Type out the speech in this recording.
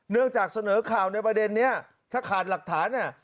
เนื่องจากเสนอข่าวในประเด็นนี้ถ้าขาดหลักฐาน่ะ